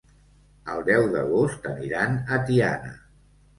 El deu d'agost aniran a Tiana.